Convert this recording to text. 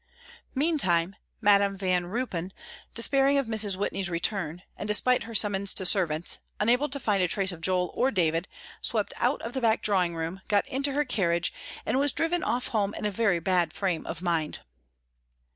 Meantime Madam Van Ruypen, despairing of Mrs. Whitney's return, and despite her summons to servants, unable to find a trace of Joel or David, swept out of the back drawing room, got into her carriage, and was driven off home in a very bad frame of mind.